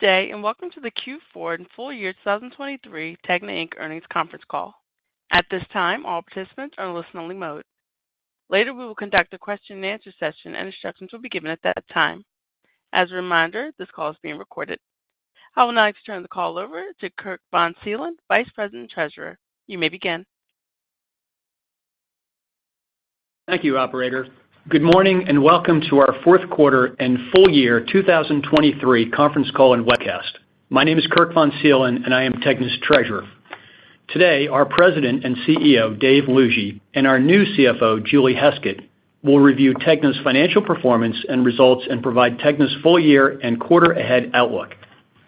Good day and welcome to the Q4 and Full Year 2023 TEGNA Inc. earnings conference call. At this time, all participants are in listen-only mode. Later, we will conduct a question-and-answer session and instructions will be given at that time. As a reminder, this call is being recorded. I will now like to turn the call over to Kirk von Seelen, Vice President and Treasurer. You may begin. Thank you, operator. Good morning and welcome to our fourth quarter and full year 2023 conference call and webcast. My name is Kirk von Seelen, and I am TEGNA's Treasurer. Today, our President and CEO, Dave Lougee, and our new CFO, Julie Heskett, will review TEGNA's financial performance and results and provide TEGNA's full year and quarter-ahead outlook.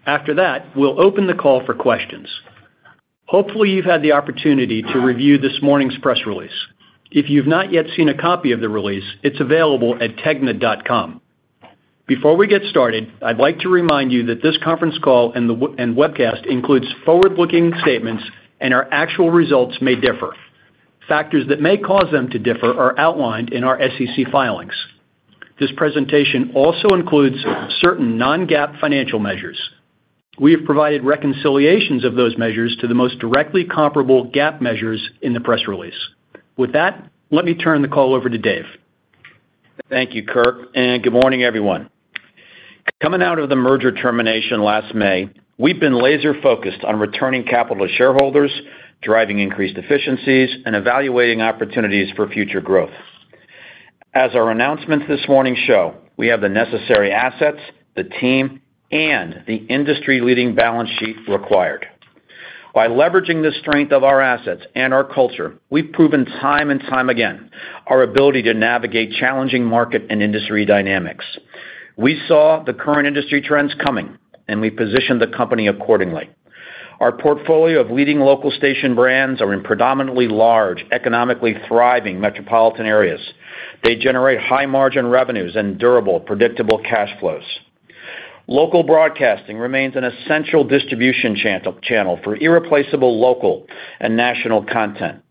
After that, we'll open the call for questions. Hopefully, you've had the opportunity to review this morning's press release. If you've not yet seen a copy of the release, it's available at tegna.com. Before we get started, I'd like to remind you that this conference call and webcast includes forward-looking statements and our actual results may differ. Factors that may cause them to differ are outlined in our SEC filings. This presentation also includes certain non-GAAP financial measures. We have provided reconciliations of those measures to the most directly comparable GAAP measures in the press release. With that, let me turn the call over to Dave. Thank you, Kirk, and good morning, everyone. Coming out of the merger termination last May, we've been laser-focused on returning capital to shareholders, driving increased efficiencies, and evaluating opportunities for future growth. As our announcements this morning show, we have the necessary assets, the team, and the industry-leading balance sheet required. By leveraging the strength of our assets and our culture, we've proven time and time again our ability to navigate challenging market and industry dynamics. We saw the current industry trends coming, and we positioned the company accordingly. Our portfolio of leading local station brands are in predominantly large, economically thriving metropolitan areas. They generate high-margin revenues and durable, predictable cash flows. Local broadcasting remains an essential distribution channel for irreplaceable local and national content.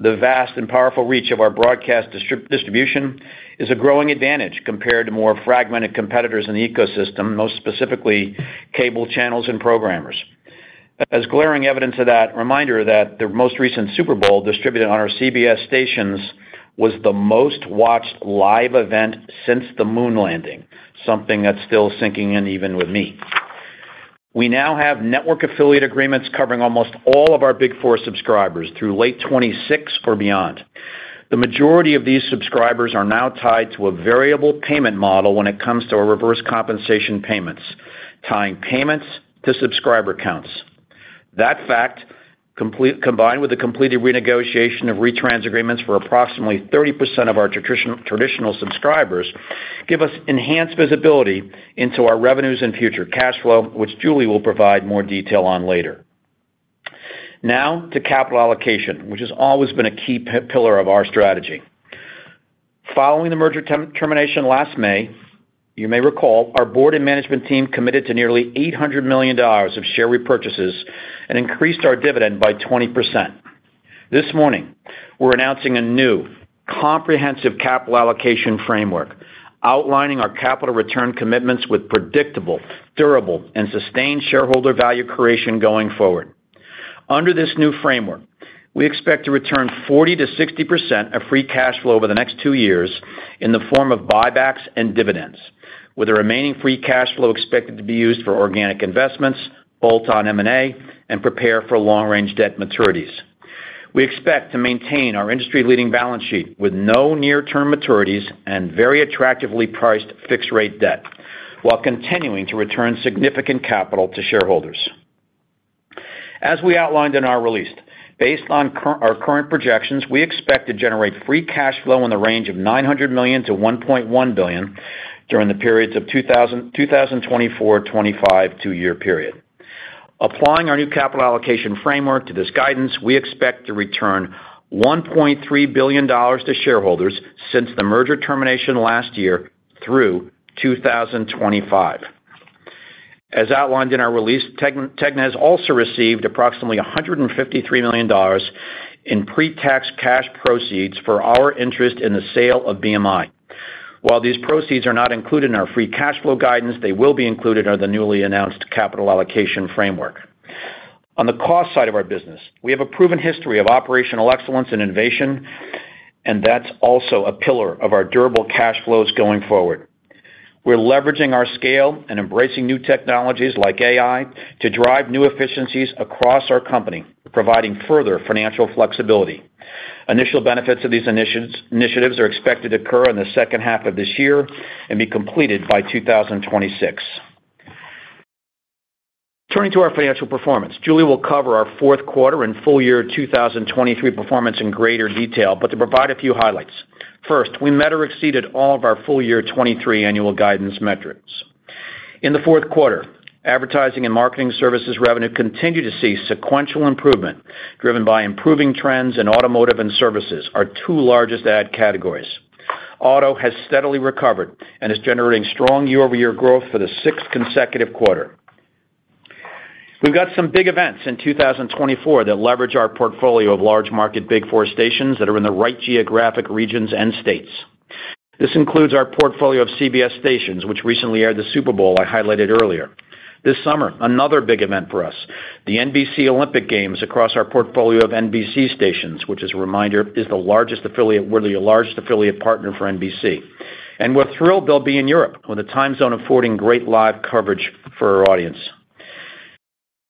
The vast and powerful reach of our broadcast distribution is a growing advantage compared to more fragmented competitors in the ecosystem, most specifically cable channels and programmers. As glaring evidence of that, reminder that the most recent Super Bowl distributed on our CBS stations was the most-watched live event since the moon landing, something that's still sinking in even with me. We now have network affiliate agreements covering almost all of our Big Four subscribers through late 2026 or beyond. The majority of these subscribers are now tied to a variable payment model when it comes to our reverse compensation payments, tying payments to subscriber counts. That fact, combined with the completed renegotiation of retrans agreements for approximately 30% of our traditional subscribers, gives us enhanced visibility into our revenues and future cash flow, which Julie will provide more detail on later. Now to capital allocation, which has always been a key pillar of our strategy. Following the merger termination last May, you may recall, our board and management team committed to nearly $800 million of share repurchases and increased our dividend by 20%. This morning, we're announcing a new comprehensive capital allocation framework, outlining our capital return commitments with predictable, durable, and sustained shareholder value creation going forward. Under this new framework, we expect to return 40%-60% of free cash flow over the next two years in the form of buybacks and dividends, with the remaining free cash flow expected to be used for organic investments, bolt-on M&A, and prepare for long-range debt maturities. We expect to maintain our industry-leading balance sheet with no near-term maturities and very attractively priced fixed-rate debt while continuing to return significant capital to shareholders. As we outlined in our release, based on our current projections, we expect to generate free cash flow in the range of $900 million-$1.1 billion during the periods of 2024-25 two-year period. Applying our new capital allocation framework to this guidance, we expect to return $1.3 billion to shareholders since the merger termination last year through 2025. As outlined in our release, TEGNA has also received approximately $153 million in pre-tax cash proceeds for our interest in the sale of BMI. While these proceeds are not included in our free cash flow guidance, they will be included under the newly announced capital allocation framework. On the cost side of our business, we have a proven history of operational excellence and innovation, and that's also a pillar of our durable cash flows going forward. We're leveraging our scale and embracing new technologies like AI to drive new efficiencies across our company, providing further financial flexibility. Initial benefits of these initiatives are expected to occur in the second half of this year and be completed by 2026. Turning to our financial performance, Julie will cover our fourth quarter and full year 2023 performance in greater detail, but to provide a few highlights. First, we met or exceeded all of our full year 2023 annual guidance metrics. In the fourth quarter, advertising and marketing services revenue continued to see sequential improvement driven by improving trends in automotive and services, our two largest ad categories. Auto has steadily recovered and is generating strong year-over-year growth for the sixth consecutive quarter. We've got some big events in 2024 that leverage our portfolio of large-market Big Four stations that are in the right geographic regions and states. This includes our portfolio of CBS stations, which recently aired the Super Bowl I highlighted earlier. This summer, another big event for us, the NBC Olympic Games across our portfolio of NBC stations, which, as a reminder, is the largest affiliate partner for NBC. We're thrilled they'll be in Europe with a time zone affording great live coverage for our audience.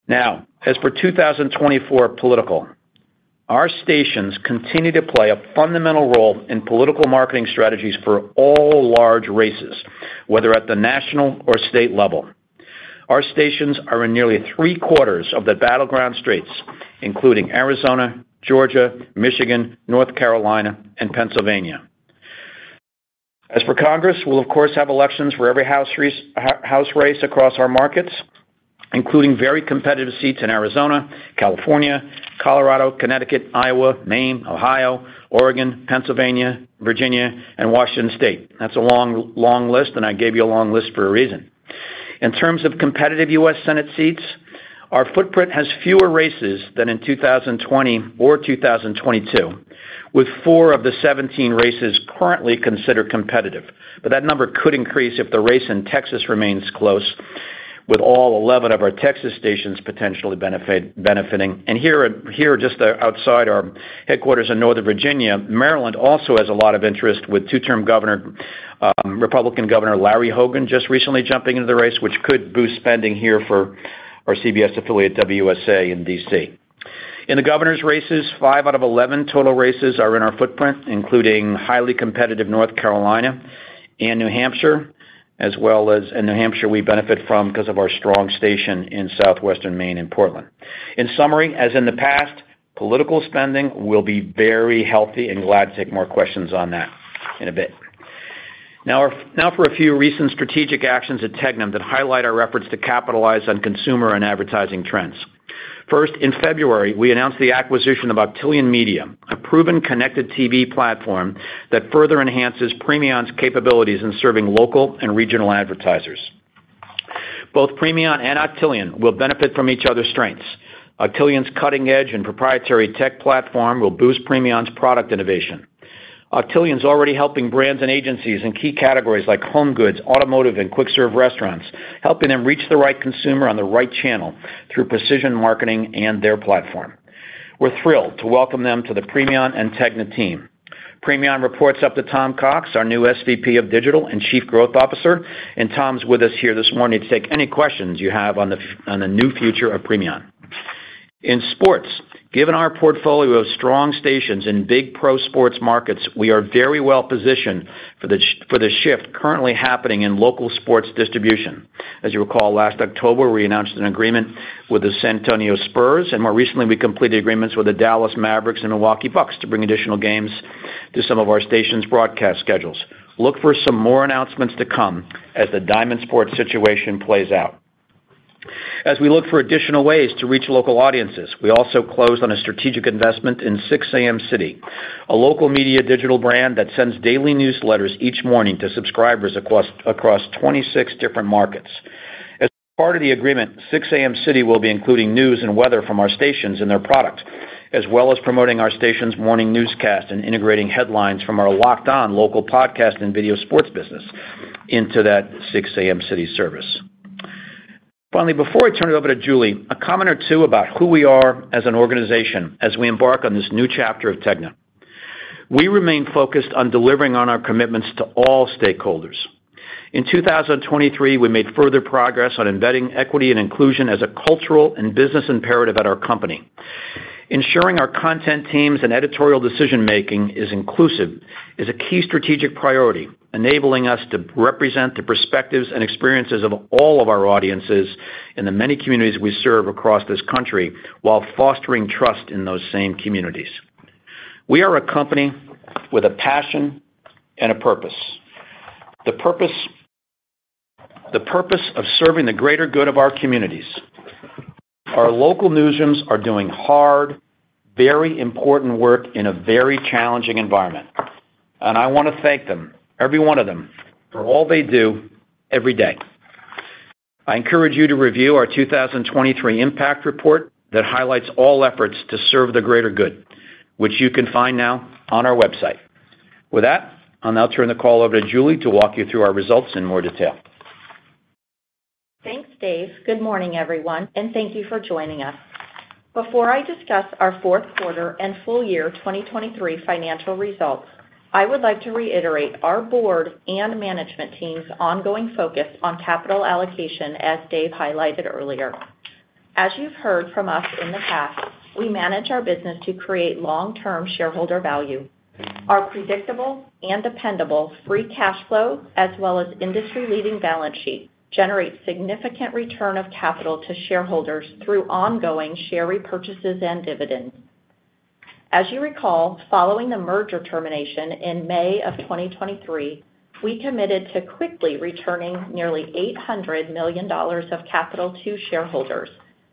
Now, as for 2024 political, our stations continue to play a fundamental role in political marketing strategies for all large races, whether at the national or state level. Our stations are in nearly three-quarters of the battleground states, including Arizona, Georgia, Michigan, North Carolina, and Pennsylvania. As for Congress, we'll, of course, have elections for every House race across our markets, including very competitive seats in Arizona, California, Colorado, Connecticut, Iowa, Maine, Ohio, Oregon, Pennsylvania, Virginia, and Washington State. That's a long list, and I gave you a long list for a reason. In terms of competitive U.S. Senate seats, our footprint has fewer races than in 2020 or 2022, with four of the 17 races currently considered competitive. But that number could increase if the race in Texas remains close, with all 11 of our Texas stations potentially benefiting. And here, just outside our headquarters in Northern Virginia, Maryland also has a lot of interest, with two-term Republican Governor Larry Hogan just recently jumping into the race, which could boost spending here for our CBS affiliate WUSA in D.C. In the governor's races, five out of 11 total races are in our footprint, including highly competitive North Carolina and New Hampshire, as well as New Hampshire we benefit from because of our strong station in southwestern Maine and Portland. In summary, as in the past, political spending will be very healthy, and glad to take more questions on that in a bit. Now for a few recent strategic actions at TEGNA that highlight our efforts to capitalize on consumer and advertising trends. First, in February, we announced the acquisition of Octillion Media, a proven connected TV platform that further enhances Premion's capabilities in serving local and regional advertisers. Both Premion and Octillion will benefit from each other's strengths. Octillion's cutting-edge and proprietary tech platform will boost Premion's product innovation. Octillion's already helping brands and agencies in key categories like home goods, automotive, and quick-serve restaurants, helping them reach the right consumer on the right channel through precision marketing and their platform. We're thrilled to welcome them to the Premion and TEGNA team. Premion reports up to Tom Cox, our new SVP of Digital and Chief Growth Officer, and Tom's with us here this morning to take any questions you have on the new future of Premion. In sports, given our portfolio of strong stations in big pro sports markets, we are very well positioned for the shift currently happening in local sports distribution. As you recall, last October, we announced an agreement with the San Antonio Spurs, and more recently, we completed agreements with the Dallas Mavericks and Milwaukee Bucks to bring additional games to some of our stations' broadcast schedules. Look for some more announcements to come as the Diamond Sports situation plays out. As we look for additional ways to reach local audiences, we also closed on a strategic investment in 6 A.M. City, a local media digital brand that sends daily newsletters each morning to subscribers across 26 different markets. As part of the agreement, 6 A.M. City will be including news and weather from our stations and their products, as well as promoting our station's morning newscast and integrating headlines from our Locked On local podcast and video sports business into that 6 A.M. City service. Finally, before I turn it over to Julie, a comment or two about who we are as an organization as we embark on this new chapter of TEGNA. We remain focused on delivering on our commitments to all stakeholders. In 2023, we made further progress on embedding equity and inclusion as a cultural and business imperative at our company. Ensuring our content teams and editorial decision-making is inclusive is a key strategic priority, enabling us to represent the perspectives and experiences of all of our audiences in the many communities we serve across this country while fostering trust in those same communities. We are a company with a passion and a purpose, the purpose of serving the greater good of our communities. Our local newsrooms are doing hard, very important work in a very challenging environment, and I want to thank them, every one of them, for all they do every day. I encourage you to review our 2023 impact report that highlights all efforts to serve the greater good, which you can find now on our website. With that, I'll now turn the call over to Julie to walk you through our results in more detail. Thanks, Dave. Good morning, everyone, and thank you for joining us. Before I discuss our fourth quarter and full year 2023 financial results, I would like to reiterate our board and management team's ongoing focus on capital allocation, as Dave highlighted earlier. As you've heard from us in the past, we manage our business to create long-term shareholder value. Our predictable and dependable free cash flow, as well as industry-leading balance sheet, generate significant return of capital to shareholders through ongoing share repurchases and dividends. As you recall, following the merger termination in May of 2023, we committed to quickly returning nearly $800 million of capital to shareholders,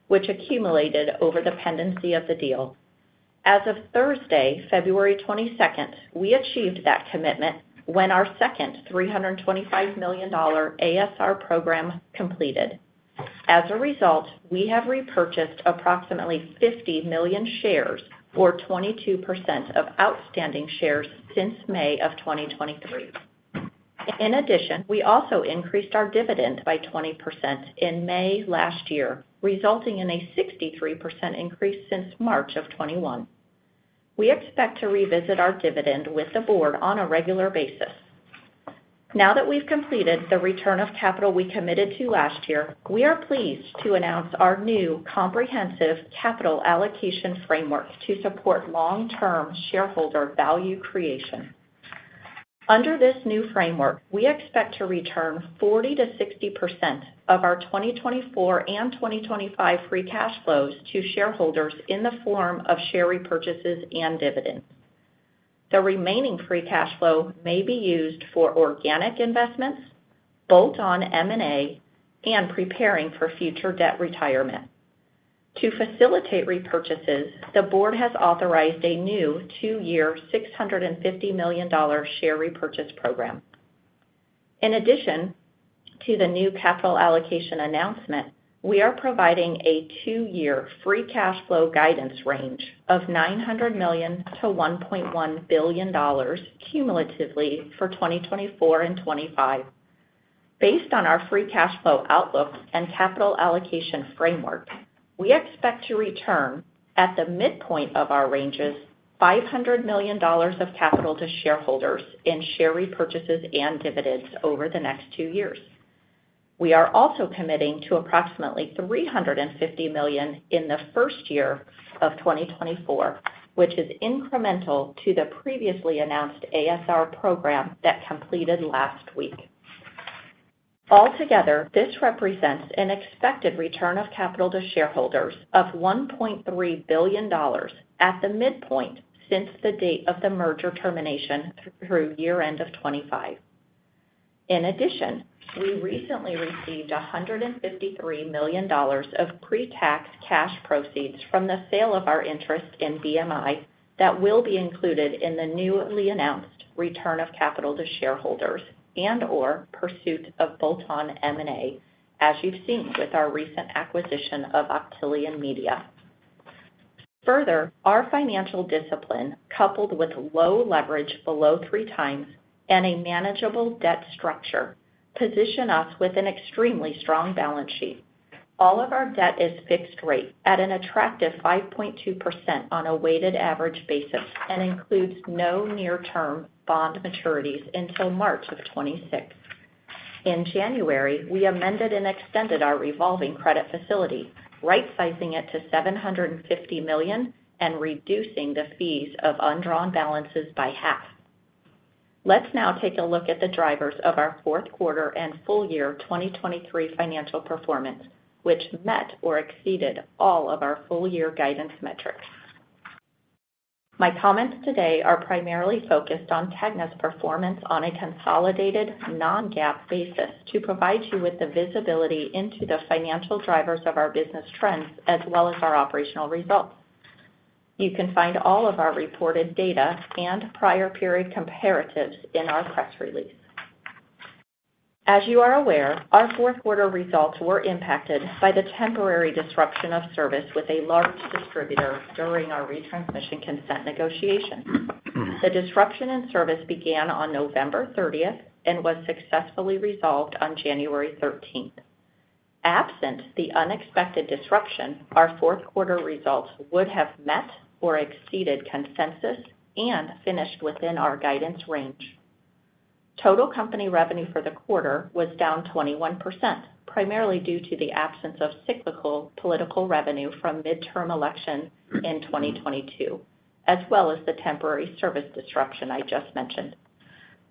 which accumulated over the pendency of the deal. As of Thursday, February 22nd, we achieved that commitment when our second $325 million ASR program completed. As a result, we have repurchased approximately 50 million shares, or 22% of outstanding shares, since May of 2023. In addition, we also increased our dividend by 20% in May last year, resulting in a 63% increase since March of 2021. We expect to revisit our dividend with the board on a regular basis. Now that we've completed the return of capital we committed to last year, we are pleased to announce our new comprehensive capital allocation framework to support long-term shareholder value creation. Under this new framework, we expect to return 40%-60% of our 2024 and 2025 free cash flows to shareholders in the form of share repurchases and dividends. The remaining free cash flow may be used for organic investments, bolt-on M&A, and preparing for future debt retirement. To facilitate repurchases, the board has authorized a new two-year $650 million share repurchase program. In addition to the new capital allocation announcement, we are providing a two-year free cash flow guidance range of $900 million-$1.1 billion cumulatively for 2024 and 2025. Based on our free cash flow outlook and capital allocation framework, we expect to return, at the midpoint of our ranges, $500 million of capital to shareholders in share repurchases and dividends over the next two years. We are also committing to approximately $350 million in the first year of 2024, which is incremental to the previously announced ASR program that completed last week. Altogether, this represents an expected return of capital to shareholders of $1.3 billion at the midpoint since the date of the merger termination through year-end of 2025. In addition, we recently received $153 million of pre-tax cash proceeds from the sale of our interest in BMI that will be included in the newly announced return of capital to shareholders and/or pursuit of bolt-on M&A, as you've seen with our recent acquisition of Octillion Media. Further, our financial discipline, coupled with low leverage below 3x and a manageable debt structure, position us with an extremely strong balance sheet. All of our debt is fixed rate at an attractive 5.2% on a weighted average basis and includes no near-term bond maturities until March 2026. In January, we amended and extended our revolving credit facility, right-sizing it to $750 million and reducing the fees of undrawn balances by half. Let's now take a look at the drivers of our fourth quarter and full year 2023 financial performance, which met or exceeded all of our full year guidance metrics. My comments today are primarily focused on TEGNA's performance on a consolidated, non-GAAP basis to provide you with the visibility into the financial drivers of our business trends, as well as our operational results. You can find all of our reported data and prior period comparatives in our press release. As you are aware, our fourth quarter results were impacted by the temporary disruption of service with a large distributor during our retransmission consent negotiations. The disruption in service began on November 30th and was successfully resolved on January 13th. Absent the unexpected disruption, our fourth quarter results would have met or exceeded consensus and finished within our guidance range. Total company revenue for the quarter was down 21%, primarily due to the absence of cyclical political revenue from midterm election in 2022, as well as the temporary service disruption I just mentioned.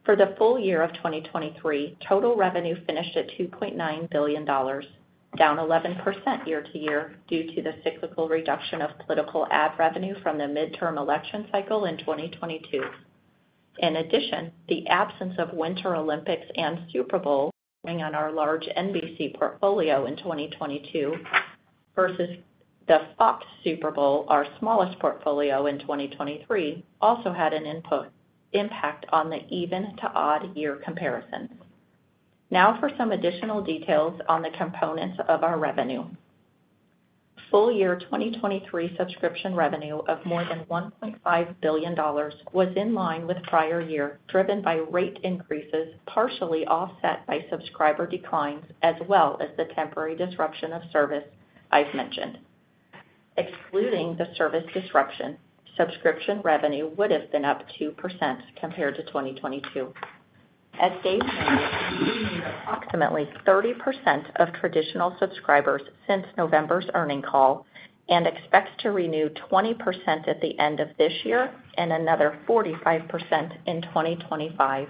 For the full year of 2023, total revenue finished at $2.9 billion, down 11% year-over-year due to the cyclical reduction of political ad revenue from the midterm election cycle in 2022. In addition, the absence of Winter Olympics and Super Bowl on our large NBC portfolio in 2022 versus the Fox Super Bowl, our smallest portfolio in 2023, also had an impact on the even-to-odd year comparison. Now for some additional details on the components of our revenue. Full year 2023 subscription revenue of more than $1.5 billion was in line with prior year, driven by rate increases partially offset by subscriber declines, as well as the temporary disruption of service I've mentioned. Excluding the service disruption, subscription revenue would have been up 2% compared to 2022. As Dave noted, we made approximately 30% of traditional subscribers since November's earnings call and expect to renew 20% at the end of this year and another 45% in 2025.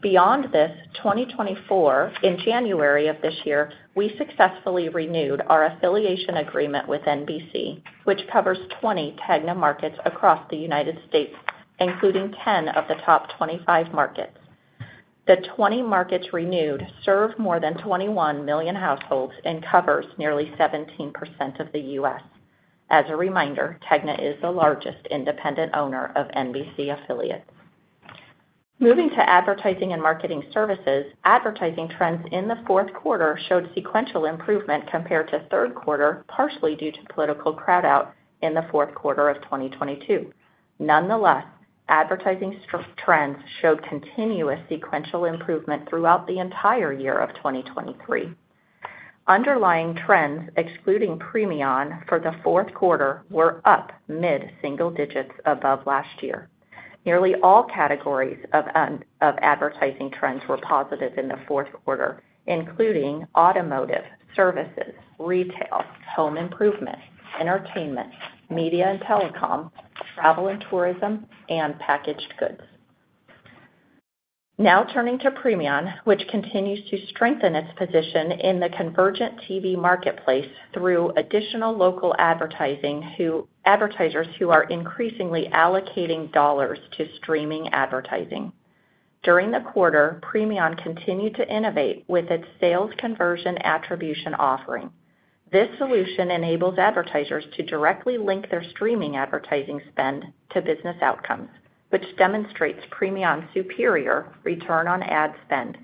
Beyond this, 2024, in January of this year, we successfully renewed our affiliation agreement with NBC, which covers 20 TEGNA markets across the United States, including 10 of the top 25 markets. The 20 markets renewed serve more than 21 million households and cover nearly 17% of the U.S. As a reminder, TEGNA is the largest independent owner of NBC affiliates. Moving to advertising and marketing services, advertising trends in the fourth quarter showed sequential improvement compared to third quarter, partially due to political crowdout in the fourth quarter of 2022. Nonetheless, advertising trends showed continuous sequential improvement throughout the entire year of 2023. Underlying trends, excluding Premion, for the fourth quarter were up mid-single digits above last year. Nearly all categories of advertising trends were positive in the fourth quarter, including automotive, services, retail, home improvement, entertainment, media and telecom, travel and tourism, and packaged goods. Now turning to Premion, which continues to strengthen its position in the convergent TV marketplace through additional local advertisers who are increasingly allocating dollars to streaming advertising. During the quarter, Premion continued to innovate with its sales conversion attribution offering. This solution enables advertisers to directly link their streaming advertising spend to business outcomes, which demonstrates Premion's superior return on ad spend.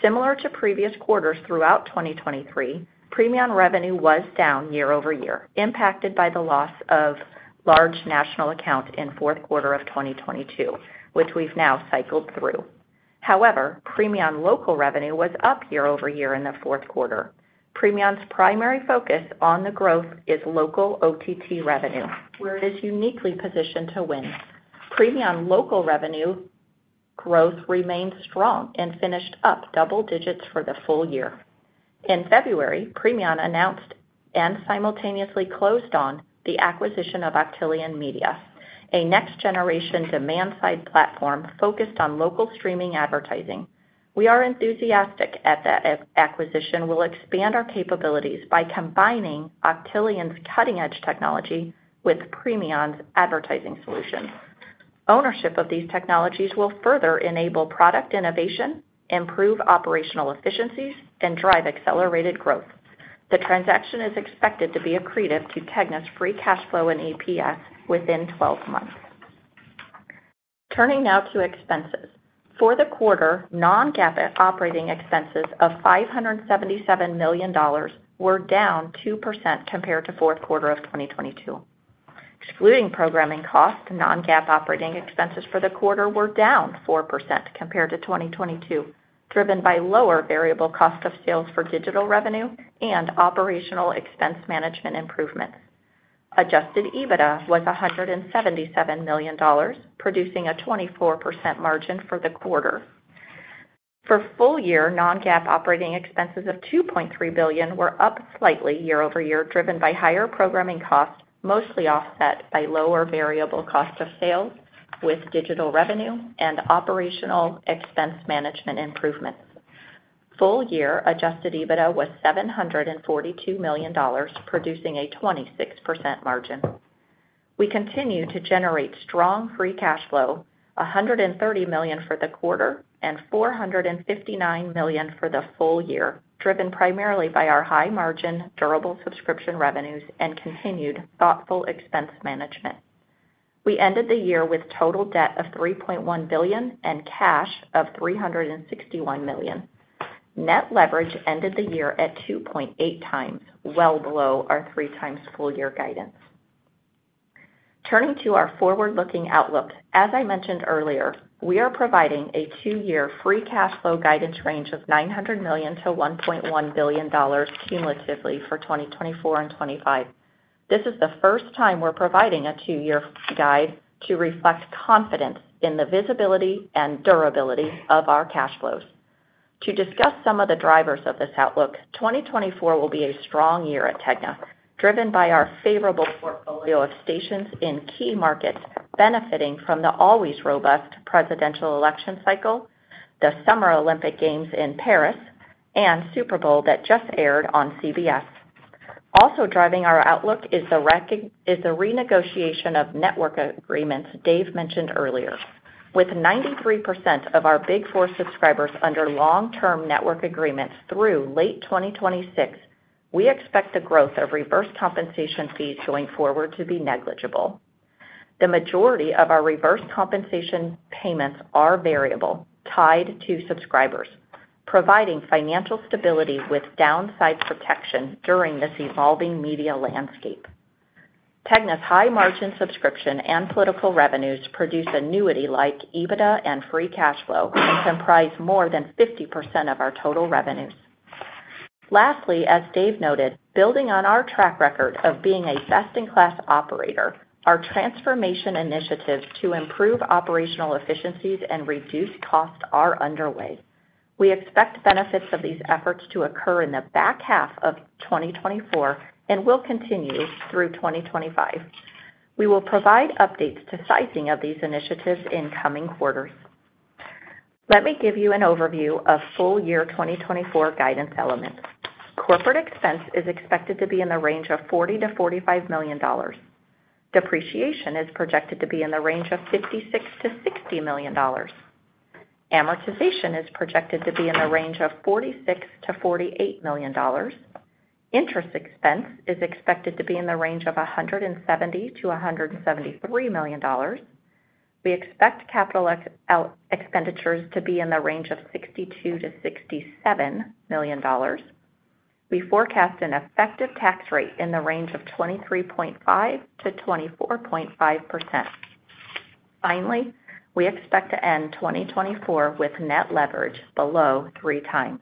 Similar to previous quarters throughout 2023, Premion revenue was down year-over-year, impacted by the loss of large national accounts in fourth quarter of 2022, which we've now cycled through. However, Premion local revenue was up year-over-year in the fourth quarter. Premion's primary focus on the growth is local OTT revenue, where it is uniquely positioned to win. Premion local revenue growth remained strong and finished up double digits for the full year. In February, Premion announced and simultaneously closed on the acquisition of Octillion Media, a next-generation demand-side platform focused on local streaming advertising. We are enthusiastic that the acquisition will expand our capabilities by combining Octillion's cutting-edge technology with Premion's advertising solutions. Ownership of these technologies will further enable product innovation, improve operational efficiencies, and drive accelerated growth. The transaction is expected to be accretive to TEGNA's free cash flow and EPS within 12 months. Turning now to expenses. For the quarter, non-GAAP operating expenses of $577 million were down 2% compared to fourth quarter of 2022. Excluding programming costs, non-GAAP operating expenses for the quarter were down 4% compared to 2022, driven by lower variable cost of sales for digital revenue and operational expense management improvements. Adjusted EBITDA was $177 million, producing a 24% margin for the quarter. For full year, non-GAAP operating expenses of $2.3 billion were up slightly year-over-year, driven by higher programming costs, mostly offset by lower variable cost of sales with digital revenue and operational expense management improvements. Full year, adjusted EBITDA was $742 million, producing a 26% margin. We continue to generate strong free cash flow, $130 million for the quarter and $459 million for the full year, driven primarily by our high-margin, durable subscription revenues and continued thoughtful expense management. We ended the year with total debt of $3.1 billion and cash of $361 million. Net leverage ended the year at 2.8x, well below our 3x full year guidance. Turning to our forward-looking outlook. As I mentioned earlier, we are providing a two-year free cash flow guidance range of $900 million-$1.1 billion cumulatively for 2024 and 2025. This is the first time we're providing a two-year guide to reflect confidence in the visibility and durability of our cash flows. To discuss some of the drivers of this outlook, 2024 will be a strong year at TEGNA, driven by our favorable portfolio of stations in key markets benefiting from the always-robust presidential election cycle, the Summer Olympic Games in Paris, and Super Bowl that just aired on CBS. Also driving our outlook is the renegotiation of network agreements Dave mentioned earlier. With 93% of our Big Four subscribers under long-term network agreements through late 2026, we expect the growth of reverse compensation fees going forward to be negligible. The majority of our reverse compensation payments are variable, tied to subscribers, providing financial stability with downside protection during this evolving media landscape. TEGNA's high-margin subscription and political revenues produce annuity-like EBITDA and free cash flow and comprise more than 50% of our total revenues. Lastly, as Dave noted, building on our track record of being a best-in-class operator, our transformation initiatives to improve operational efficiencies and reduce costs are underway. We expect benefits of these efforts to occur in the back half of 2024 and will continue through 2025. We will provide updates to sizing of these initiatives in coming quarters. Let me give you an overview of full year 2024 guidance elements. Corporate expense is expected to be in the range of $40-$45 million. Depreciation is projected to be in the range of $56-$60 million. Amortization is projected to be in the range of $46-$48 million. Interest expense is expected to be in the range of $170-$173 million. We expect capital expenditures to be in the range of $62-$67 million. We forecast an effective tax rate in the range of 23.5%-24.5%. Finally, we expect to end 2024 with net leverage below three times.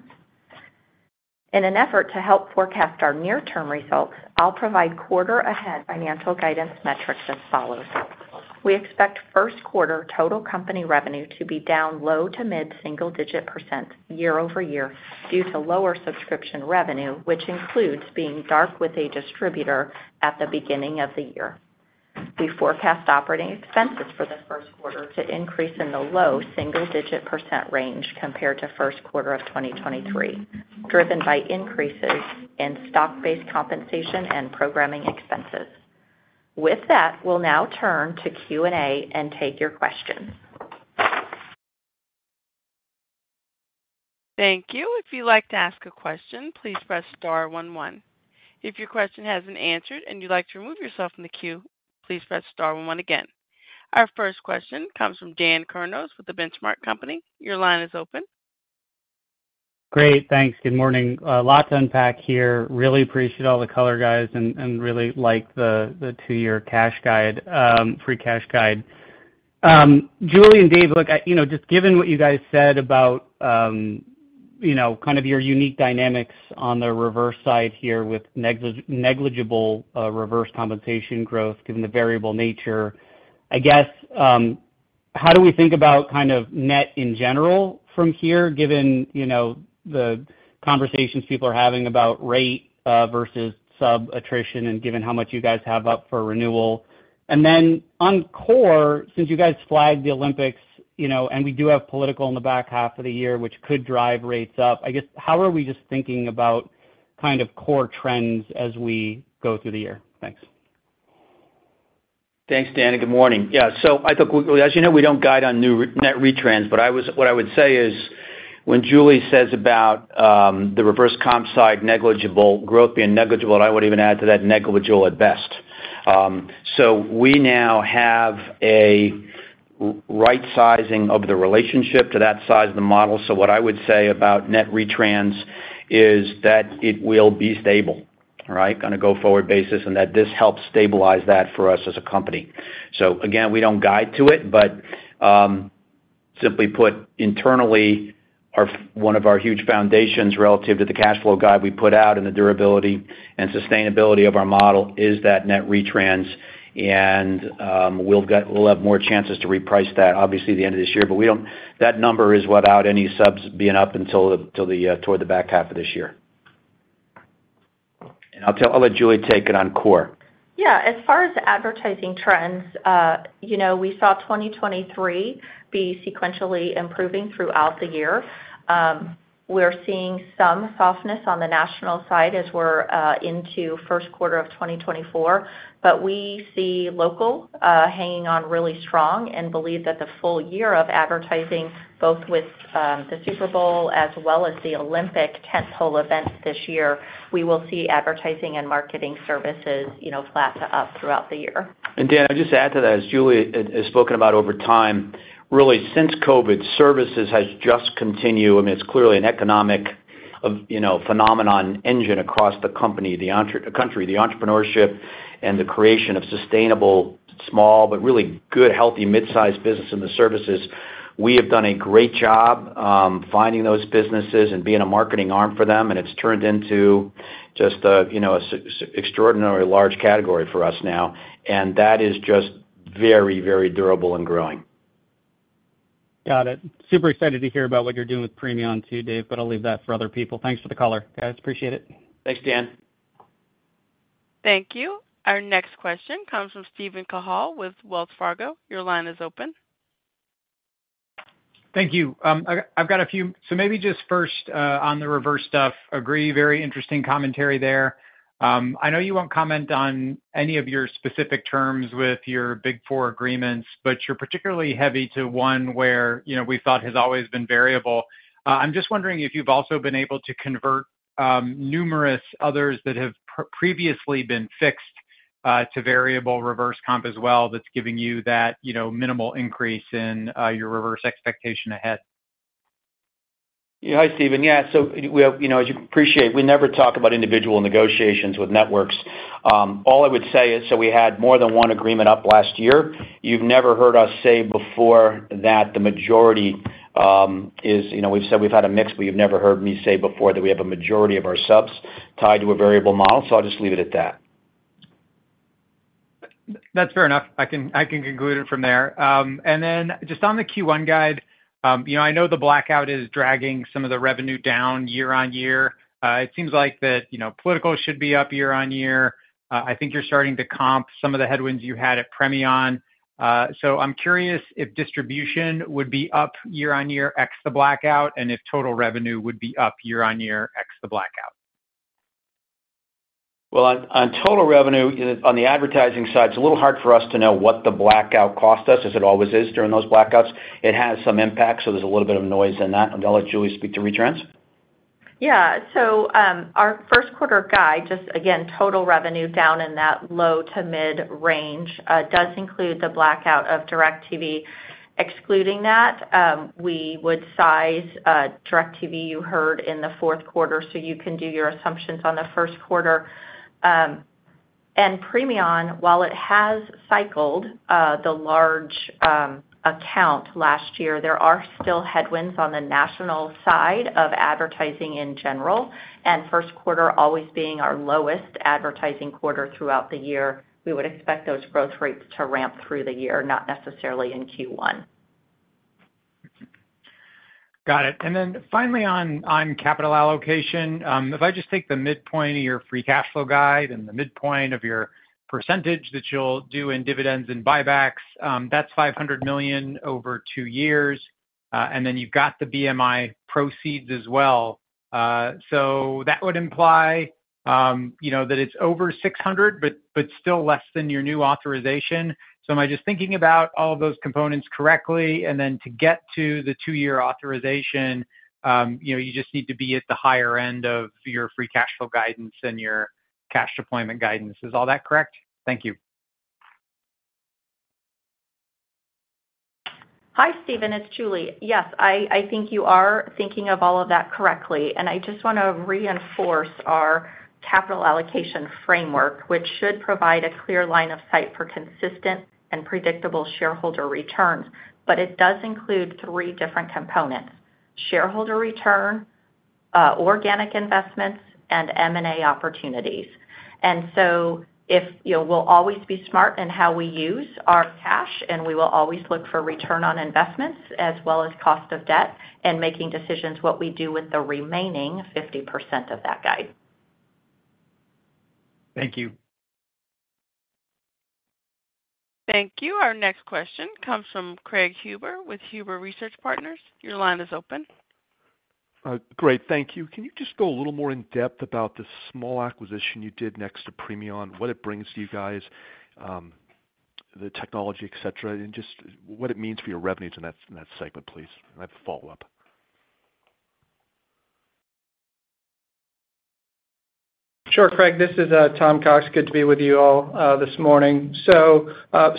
In an effort to help forecast our near-term results, I'll provide quarter-ahead financial guidance metrics as follows. We expect first quarter total company revenue to be down low- to mid-single-digit % year-over-year due to lower subscription revenue, which includes being dark with a distributor at the beginning of the year. We forecast operating expenses for the first quarter to increase in the low single-digit % range compared to first quarter of 2023, driven by increases in stock-based compensation and programming expenses. With that, we'll now turn to Q&A and take your questions. Thank you. If you'd like to ask a question, please press star one one. If your question hasn't answered and you'd like to remove yourself from the queue, please press star one one again. Our first question comes from Dan Kurnos with The Benchmark Company. Your line is open. Great. Thanks. Good morning. Lots to unpack here. Really appreciate all the color guys and really like the two-year free cash guide. Julie and Dave, look, just given what you guys said about kind of your unique dynamics on the reverse side here with negligible reverse compensation growth, given the variable nature, I guess, how do we think about kind of net in general from here, given the conversations people are having about rate versus sub-attrition and given how much you guys have up for renewal? And then on core, since you guys flagged the Olympics and we do have political in the back half of the year, which could drive rates up, I guess, how are we just thinking about kind of core trends as we go through the year? Thanks. Thanks, Dan. Good morning. Yeah. So I thought, as you know, we don't guide on net retrans, but what I would say is when Julie says about the reverse comp side negligible, growth being negligible, and I would even add to that negligible at best. So we now have a right-sizing of the relationship to that size of the model. So what I would say about net retrans is that it will be stable, all right, on a go-forward basis, and that this helps stabilize that for us as a company. So again, we don't guide to it, but simply put, internally, one of our huge foundations relative to the cash flow guide we put out and the durability and sustainability of our model is that net retrans, and we'll have more chances to reprice that, obviously, at the end of this year. But that number is without any subs being up until toward the back half of this year. I'll let Julie take it on core. Yeah. As far as advertising trends, we saw 2023 be sequentially improving throughout the year. We're seeing some softness on the national side as we're into first quarter of 2024, but we see local hanging on really strong and believe that the full year of advertising, both with the Super Bowl as well as the Olympic tentpole events this year, we will see advertising and marketing services flat to up throughout the year. And Dan, I'll just add to that. As Julie has spoken about over time, really, since COVID, services has just continued. I mean, it's clearly an economic phenomenon engine across the company, the country, the entrepreneurship, and the creation of sustainable, small, but really good, healthy, midsize businesses and services. We have done a great job finding those businesses and being a marketing arm for them, and it's turned into just an extraordinarily large category for us now, and that is just very, very durable and growing. Got it. Super excited to hear about what you're doing with Premion too, Dave, but I'll leave that for other people. Thanks for the color, guys. Appreciate it. Thanks, Dan. Thank you. Our next question comes from Steven Cahall with Wells Fargo. Your line is open. Thank you. I've got a few, so maybe just first on the reverse stuff. Agree, very interesting commentary there. I know you won't comment on any of your specific terms with your Big Four agreements, but you're particularly heavy to one where we thought has always been variable. I'm just wondering if you've also been able to convert numerous others that have previously been fixed to variable reverse comp as well. That's giving you that minimal increase in your reverse expectation ahead. Yeah. Hi, Steven. Yeah. So as you appreciate, we never talk about individual negotiations with networks. All I would say is, so we had more than one agreement up last year. You've never heard us say before that the majority is we've said we've had a mix, but you've never heard me say before that we have a majority of our subs tied to a variable model. So I'll just leave it at that. That's fair enough. I can conclude it from there. And then just on the Q1 guide, I know the blackout is dragging some of the revenue down year-on-year. It seems like that political should be up year-on-year. I think you're starting to comp some of the headwinds you had at Premion. So I'm curious if distribution would be up year-on-year ex the blackout and if total revenue would be up year-on-year ex the blackout. Well, on total revenue, on the advertising side, it's a little hard for us to know what the blackout cost us as it always is during those blackouts. It has some impact, so there's a little bit of noise in that. And I'll let Julie speak to retrans. Yeah. So our first quarter guide, just again, total revenue down in that low to mid range, does include the blackout of DirecTV. Excluding that, we would size DirecTV, you heard in the fourth quarter, so you can do your assumptions on the first quarter. And Premion, while it has cycled the large account last year, there are still headwinds on the national side of advertising in general. And first quarter always being our lowest advertising quarter throughout the year, we would expect those growth rates to ramp through the year, not necessarily in Q1. Got it. And then finally on capital allocation, if I just take the midpoint of your free cash flow guide and the midpoint of your percentage that you'll do in dividends and buybacks, that's $500 million over two years. And then you've got the BMI proceeds as well. So that would imply that it's over $600 million but still less than your new authorization. So am I just thinking about all of those components correctly? And then to get to the two-year authorization, you just need to be at the higher end of your free cash flow guidance and your cash deployment guidance. Is all that correct? Thank you. Hi, Steven. It's Julie. Yes, I think you are thinking of all of that correctly. And I just want to reinforce our capital allocation framework, which should provide a clear line of sight for consistent and predictable shareholder returns. But it does include three different components: shareholder return, organic investments, and M&A opportunities. And so we'll always be smart in how we use our cash, and we will always look for return on investments as well as cost of debt and making decisions what we do with the remaining 50% of that guide. Thank you. Thank you. Our next question comes from Craig Huber with Huber Research Partners. Your line is open. Great. Thank you. Can you just go a little more in-depth about the small acquisition you did next to Premion, what it brings to you guys, the technology, etc., and just what it means for your revenues in that segment, please? And I have a follow-up. Sure, Craig. This is Tom Cox. Good to be with you all this morning. So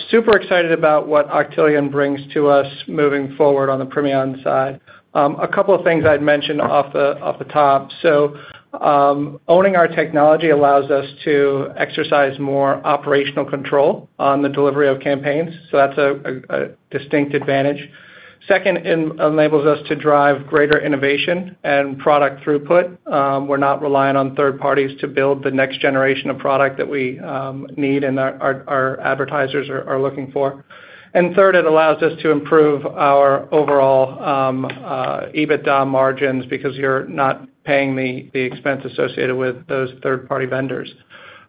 super excited about what Octillion brings to us moving forward on the Premion side. A couple of things I'd mention off the top. So owning our technology allows us to exercise more operational control on the delivery of campaigns. So that's a distinct advantage. Second, it enables us to drive greater innovation and product throughput. We're not relying on third parties to build the next generation of product that we need and our advertisers are looking for. And third, it allows us to improve our overall EBITDA margins because you're not paying the expense associated with those third-party vendors.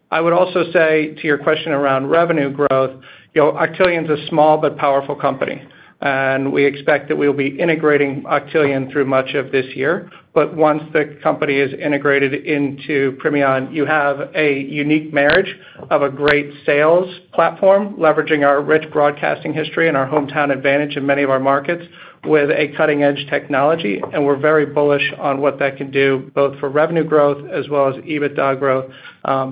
I would also say to your question around revenue growth, Octillion's a small but powerful company, and we expect that we will be integrating Octillion through much of this year. But once the company is integrated into Premion, you have a unique marriage of a great sales platform leveraging our rich broadcasting history and our hometown advantage in many of our markets with a cutting-edge technology. And we're very bullish on what that can do both for revenue growth as well as EBITDA growth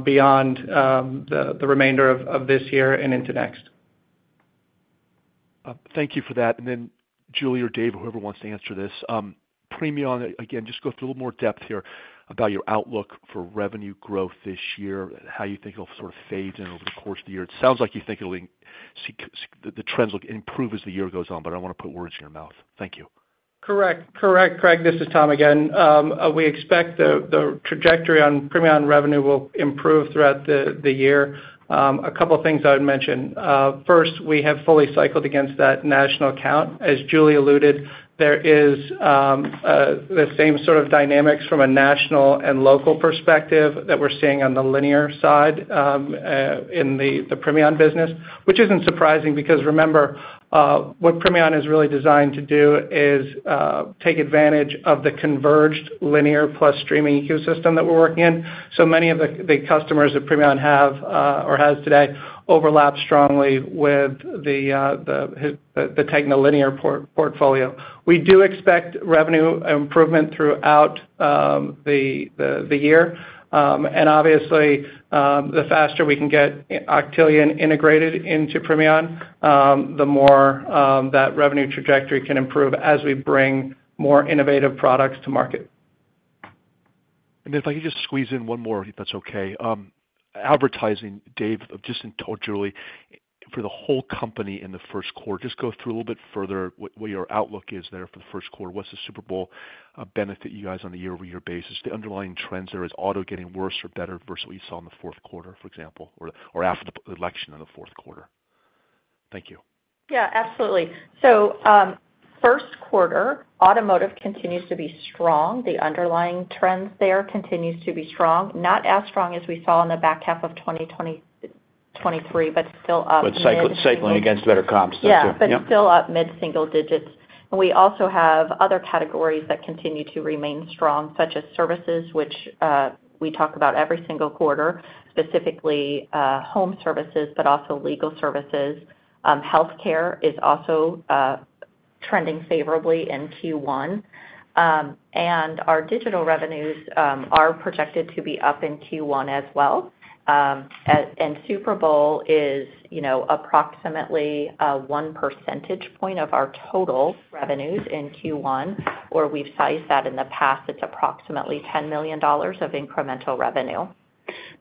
beyond the remainder of this year and into next. Thank you for that. Then Julie or Dave, whoever wants to answer this, Premion, again, just go through a little more depth here about your outlook for revenue growth this year, how you think it'll sort of fade in over the course of the year. It sounds like you think the trends will improve as the year goes on, but I don't want to put words in your mouth. Thank you. Correct. Correct, Craig. This is Tom again. We expect the trajectory on Premion revenue will improve throughout the year. A couple of things I would mention. First, we have fully cycled against that national account. As Julie alluded, there is the same sort of dynamics from a national and local perspective that we're seeing on the linear side in the Premion business, which isn't surprising because remember, what Premion is really designed to do is take advantage of the converged linear plus streaming ecosystem that we're working in. So many of the customers that Premion has today overlap strongly with the TEGNA linear portfolio. We do expect revenue improvement throughout the year. And obviously, the faster we can get Octillion integrated into Premion, the more that revenue trajectory can improve as we bring more innovative products to market. And then if I could just squeeze in one more, if that's okay, advertising, Dave, just in totality, for the whole company in the first quarter, just go through a little bit further what your outlook is there for the first quarter. What's the Super Bowl benefit you guys on a year-over-year basis? The underlying trends there is auto getting worse or better versus what you saw in the fourth quarter, for example, or after the election in the fourth quarter. Thank you. Yeah, absolutely. So first quarter, automotive continues to be strong. The underlying trends there continues to be strong, not as strong as we saw in the back half of 2023, but still up mid. But cycling against better comps, that too. Yeah, but still up mid-single digits. And we also have other categories that continue to remain strong, such as services, which we talk about every single quarter, specifically home services, but also legal services. Healthcare is also trending favorably in Q1. And our digital revenues are projected to be up in Q1 as well. And Super Bowl is approximately one percentage point of our total revenues in Q1, or we've sized that in the past. It's approximately $10 million of incremental revenue.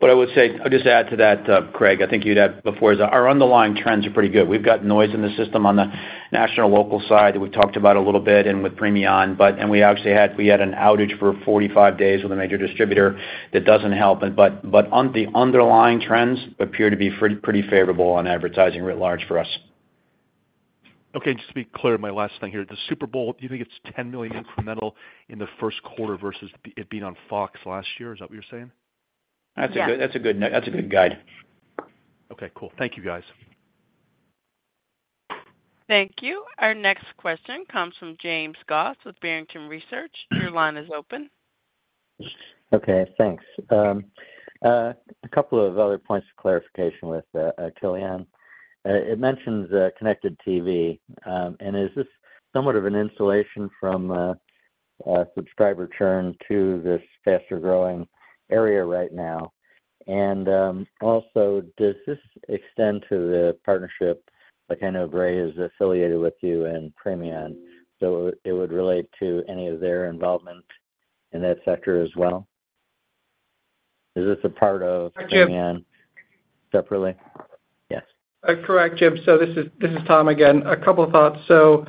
But I would say I'll just add to that, Craig. I think you'd add before is our underlying trends are pretty good. We've got noise in the system on the national, local side that we've talked about a little bit and with Premion. And we actually had an outage for 45 days with a major distributor that doesn't help. But the underlying trends appear to be pretty favorable on advertising writ large for us. Okay. Just to be clear, my last thing here, the Super Bowl, do you think it's $10 million incremental in the first quarter versus it being on Fox last year? Is that what you're saying? That's a good guide. Okay. Cool. Thank you, guys. Thank you. Our next question comes from James Goss with Barrington Research. Your line is open. Okay. Thanks. A couple of other points of clarification with Octillion. It mentions connected TV. And is this somewhat of an insulation from subscriber churn to this faster-growing area right now? And also, does this extend to the partnership? I know Gray is affiliated with you and Premion. So it would relate to any of their involvement in that sector as well? Is this a part of Premion separately? Yes. Correct, Jim. So this is Tom again. A couple of thoughts. So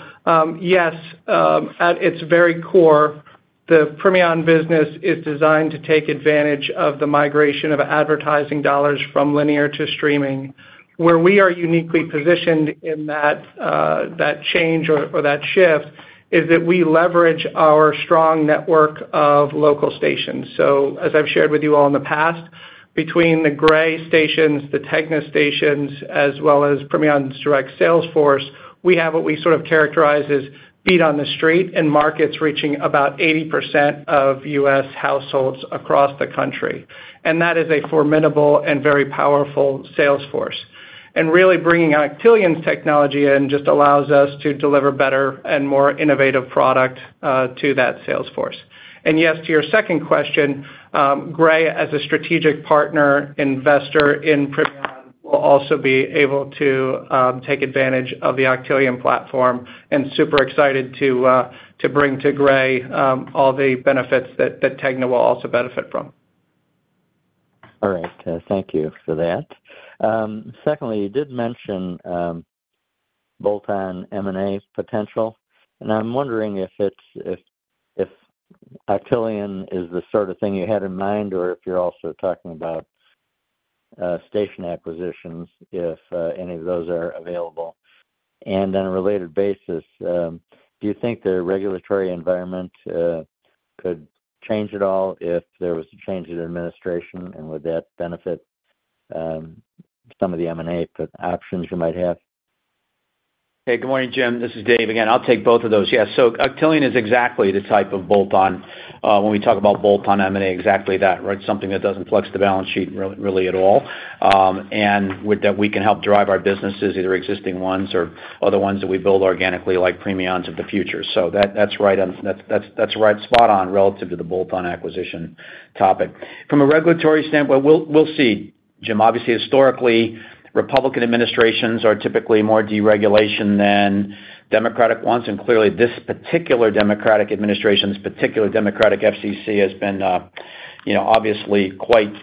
yes, at its very core, the Premion business is designed to take advantage of the migration of advertising dollars from linear to streaming. Where we are uniquely positioned in that change or that shift is that we leverage our strong network of local stations. So as I've shared with you all in the past, between the Gray stations, the TEGNA stations, as well as Premion's direct salesforce, we have what we sort of characterize as beat-on-the-street in markets reaching about 80% of U.S. households across the country. And that is a formidable and very powerful salesforce. And really bringing Octillion's technology in just allows us to deliver better and more innovative product to that salesforce. And yes, to your second question, Gray, as a strategic partner investor in Premion, will also be able to take advantage of the Octillion platform. And super excited to bring to Gray all the benefits that TEGNA will also benefit from. All right. Thank you for that. Secondly, you did mention bolt-on M&A potential. And I'm wondering if Octillion is the sort of thing you had in mind or if you're also talking about station acquisitions, if any of those are available. And on a related basis, do you think the regulatory environment could change at all if there was a change in administration? And would that benefit some of the M&A options you might have? Hey, good morning, Jim. This is Dave again. I'll take both of those. Yes. So Octillion is exactly the type of bolt-on when we talk about bolt-on M&A, exactly that, right? Something that doesn't flex the balance sheet really at all. And that we can help drive our businesses, either existing ones or other ones that we build organically like Premion's of the future. So that's right. That's right. Spot on relative to the bolt-on acquisition topic. From a regulatory standpoint, we'll see, Jim. Obviously, historically, Republican administrations are typically more deregulation than Democratic ones. And clearly, this particular Democratic administration, this particular Democratic FCC, has been obviously quite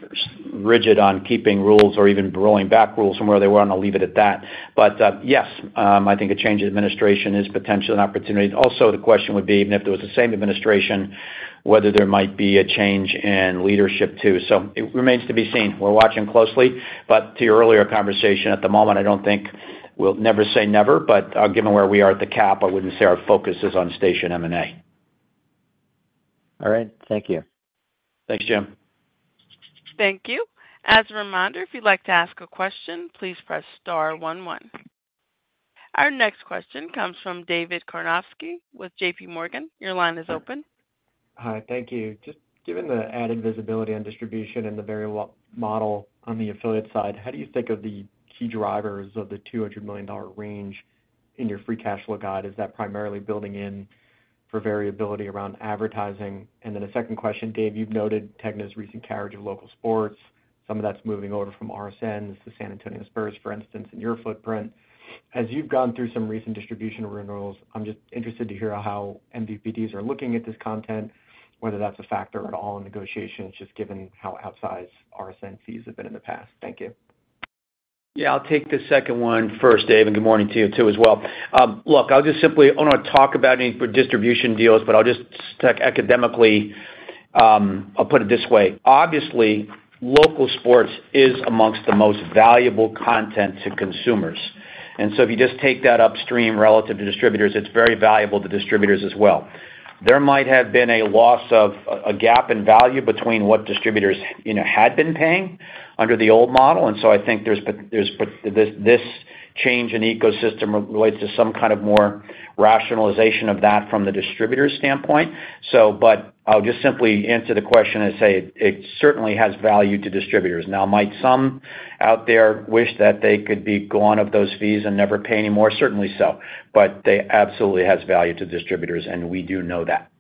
rigid on keeping rules or even rolling back rules from where they were. I'm going to leave it at that. But yes, I think a change of administration is potentially an opportunity. Also, the question would be, even if it was the same administration, whether there might be a change in leadership too. So it remains to be seen. We're watching closely. But to your earlier conversation, at the moment, I don't think we'll never say never. But given where we are at the cap, I wouldn't say our focus is on station M&A. All right. Thank you. Thanks, James. Thank you. As a reminder, if you'd like to ask a question, please press star one one. Our next question comes from David Karnovsky with JP Morgan. Your line is open. Hi. Thank you. Just given the added visibility on distribution and the variable model on the affiliate side, how do you think of the key drivers of the $200 million range in your free cash flow guide? Is that primarily building in for variability around advertising? And then a second question, Dave, you've noted TEGNA's recent carriage of local sports. Some of that's moving over from RSNs to San Antonio Spurs, for instance, in your footprint. As you've gone through some recent distribution renewals, I'm just interested to hear how MVPDs are looking at this content, whether that's a factor at all in negotiations, just given how outsized RSN fees have been in the past. Thank you. Yeah. I'll take the second one first, David. Good morning to you too as well. Look, I'll just simply I don't want to talk about any distribution deals, but I'll just academically, I'll put it this way. Obviously, local sports is among the most valuable content to consumers. So if you just take that upstream relative to distributors, it's very valuable to distributors as well. There might have been a loss of a gap in value between what distributors had been paying under the old model. So I think there's this change in ecosystem relates to some kind of more rationalization of that from the distributor's standpoint. But I'll just simply answer the question and say it certainly has value to distributors. Now, might some out there wish that they could be gone of those fees and never pay anymore? Certainly so. But it absolutely has value to distributors, and we do know that.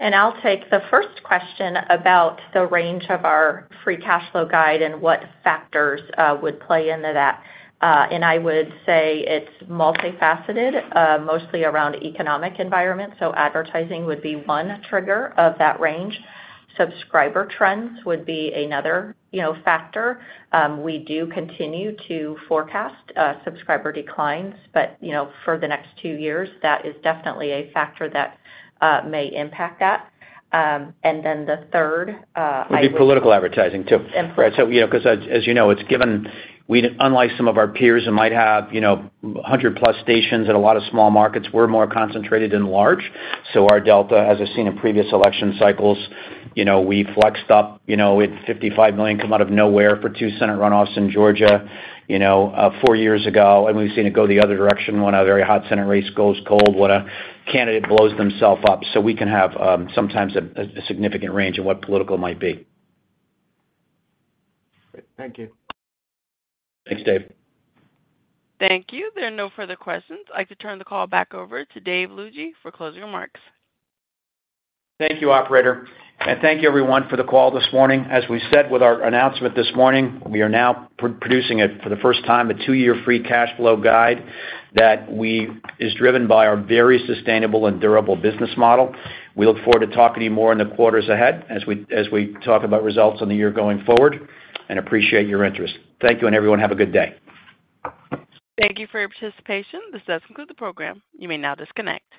I'll take the first question about the range of our free cash flow guide and what factors would play into that. I would say it's multifaceted, mostly around economic environment. So advertising would be one trigger of that range. Subscriber trends would be another factor. We do continue to forecast subscriber declines, but for the next two years, that is definitely a factor that may impact that. Then the third, I would. Would be political advertising too. Implicit. Right. Because as you know, it's given unlike some of our peers that might have 100+ stations at a lot of small markets, we're more concentrated in large. So our delta, as I've seen in previous election cycles, we flexed up. We had $55 million come out of nowhere for two Senate runoffs in Georgia four years ago. And we've seen it go the other direction. When a very hot Senate race goes cold, when a candidate blows themself up. So we can have sometimes a significant range in what political might be. Great. Thank you. Thanks, David. Thank you. There are no further questions. I could turn the call back over to Dave Lougee for closing remarks. Thank you, operator. And thank you, everyone, for the call this morning. As we said with our announcement this morning, we are now producing for the first time a two-year free cash flow guide that is driven by our very sustainable and durable business model. We look forward to talking to you more in the quarters ahead as we talk about results in the year going forward and appreciate your interest. Thank you, and everyone. Have a good day. Thank you for your participation. This does conclude the program. You may now disconnect.